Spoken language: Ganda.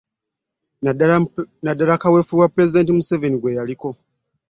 Naddala mu kaweefube wa Pulezidenti Museveni gwe yaliko